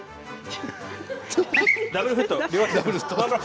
ダブルフット！